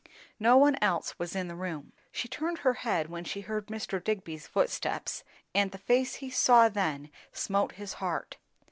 No one else was in the room. She turned her head when she heard Mr. Digby's footsteps, and the face he saw then smote his heart.